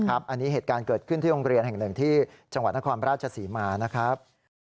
อันนี้เหตุการณ์เกิดขึ้นที่โรงเรียนแห่งหนึ่งที่จังหวัดนครราชศรีมานะครับ